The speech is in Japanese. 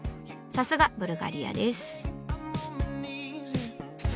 さすがブルガリアです。